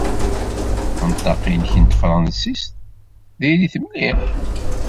Anṭaq-nnek n tefṛansit diri-t mliḥ.